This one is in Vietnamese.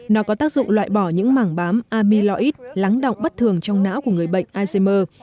nó có tác dụng loại bỏ những mảng bám amiloris lắng động bất thường trong não của người bệnh alzheimer